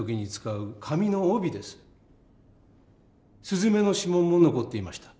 すずめの指紋も残っていました。